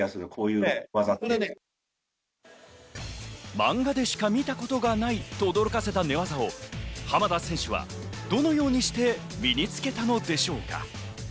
マンガでしか見たことがないと驚かせた寝技を浜田選手はどのようにして身につけたのでしょうか？